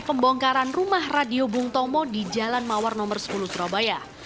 pembongkaran rumah radio bung tomo di jalan mawar nomor sepuluh surabaya